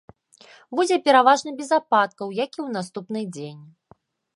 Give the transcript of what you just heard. Будзе пераважна без ападкаў, як і ў наступны дзень.